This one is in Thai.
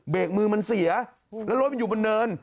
กมือมันเสียแล้วรถมันอยู่บนเนิน